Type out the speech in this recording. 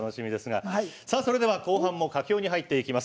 後半も佳境に入っていきます。